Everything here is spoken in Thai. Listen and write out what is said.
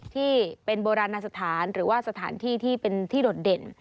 ที่เป็นโบราณสถานหรือว่าสถานที่ที่เป็นที่โดดเด่น